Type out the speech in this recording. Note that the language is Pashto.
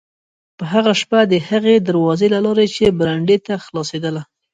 په هغه شپه د هغې دروازې له لارې چې برنډې ته خلاصېدله.